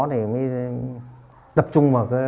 thì mới tập trung vào